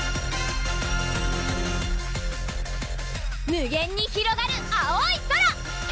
無限にひろがる青い空！